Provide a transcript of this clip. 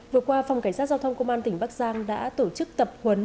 vừa qua phòng cảnh sát giao thông công an tỉnh bắc giang đã tổ chức tập huấn